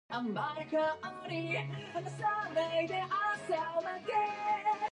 Jones was born in Colchester, Essex.